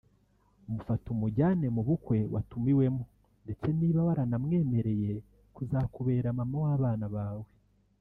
Mufate umujyane mu bukwe watumiwemo ndetse niba waranamwemereye kuzakubera mama w’abana bawe